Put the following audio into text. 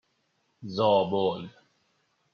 زابل